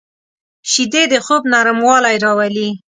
شیدې د خوب نرموالی راولي